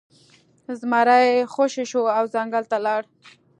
زمری خوشې شو او ځنګل ته لاړ.